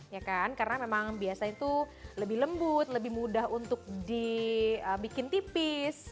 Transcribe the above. ya kan karena memang biasanya itu lebih lembut lebih mudah untuk dibikin tipis